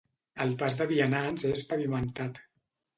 El pas de vianants és pavimentat.